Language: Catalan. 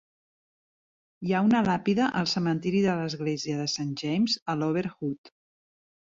Hi ha una làpida al cementiri de l'església de Saint James, a Lower Hutt.